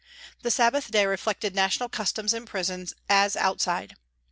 The Sabbath day reflected national customs in prison as outside.